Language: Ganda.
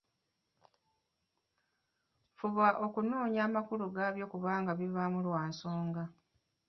Fuba okunoonya amakulu gaabyo kuba bibaamu lwa nsonga.